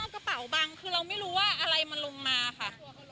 กระเป๋าบังคือเราไม่รู้ว่าอะไรมันลงมาค่ะ